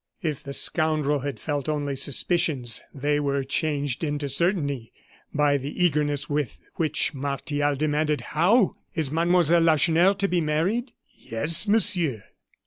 If the scoundrel had felt only suspicions, they were changed into certainty by the eagerness with which Martial demanded: "How! is Mademoiselle Lacheneur to be married?" "Yes, Monsieur."